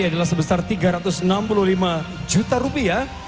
adalah sebesar tiga ratus enam puluh lima juta rupiah